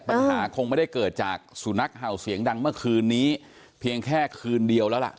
ปัญหาคงไม่ได้เกิดจากสุนัขเห่าเสียงดังเมื่อคืนนี้เพียงแค่คืนเดียวแล้วล่ะ